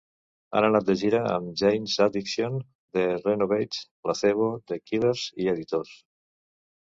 Han anat de gira amb Jane's Addiction, The Raveonettes, Placebo, The Killers i Editors.